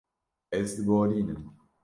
Ez diborînim.